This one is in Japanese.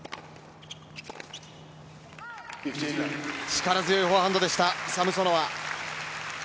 力強いフォアハンドでしたサムソノワ。